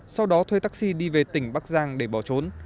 sau đó thuê taxi đi về tỉnh bắc giang để bỏ trốn